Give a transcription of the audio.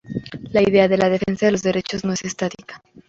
La idea, de la defensa de los derechos no es estática.